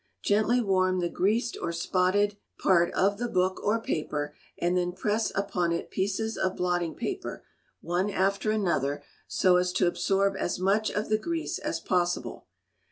Gently warm the greased or spotted part of the book or paper, and then press upon it pieces of blotting paper, one after another, so as to absorb as much of the grease as possible.